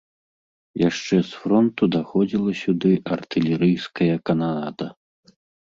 Яшчэ з фронту даходзіла сюды артылерыйская кананада.